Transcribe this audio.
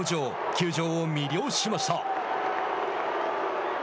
球場を魅了しました。